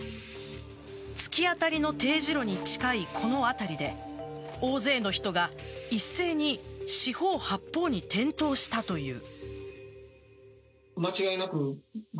突き当たりの丁字路に近いこの辺りで大勢の人が一斉に四方八方に転倒したという。